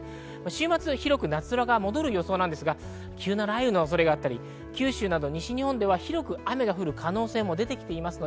週末は広く夏空が戻る予想ですが、急な雷雨の恐れがあったり、九州など西日本では広く雨が降る可能性も出てきています。